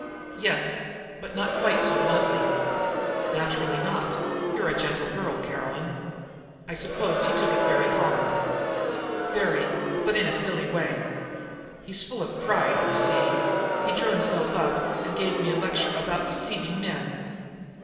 "Yes; but not quite so bluntly." "Naturally not; you're a gentle girl, Caroline. I suppose he took it very hard." "Very, but in a silly way. He's full of pride, you see. He drew himself up and gave me a lecture about deceiving men."